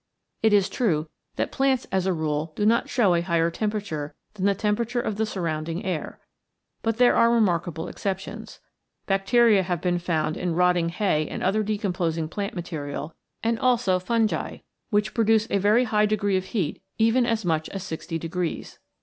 It is true that plants as a rule do not show a higher tempera ture than the temperature of the surrounding air. But there are remarkable exceptions. Bacteria have been found in rotting hay and other decom posing plant material and also fungi, which pro duce a very high degree of heat even as much as 60 degrees.